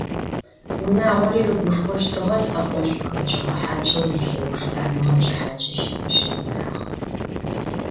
Унагъори рыгушхощтыгъэ лӏэкъошӏу хэкӏыгъэ хьакӏэу зилъэуж тамыгъэкӏэ хьакӏэщым къыщызынагъэм.